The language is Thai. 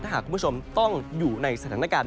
ถ้าหากคุณผู้ชมต้องอยู่ในสถานการณ์